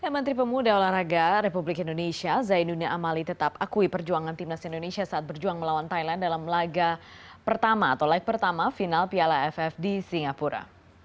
menteri pemuda olahraga republik indonesia zainuddin amali tetap akui perjuangan timnas indonesia saat berjuang melawan thailand dalam laga pertama atau like pertama final piala aff di singapura